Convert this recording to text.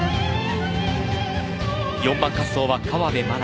４番滑走は河辺愛菜。